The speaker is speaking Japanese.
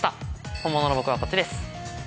本物の僕はこっちです。